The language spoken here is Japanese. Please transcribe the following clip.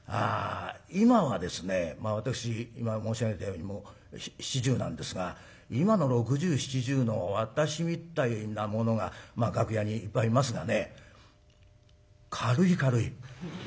今はですね私今申し上げたように７０なんですが今の６０７０の私みたいな者が楽屋にいっぱいいますがね軽い軽い。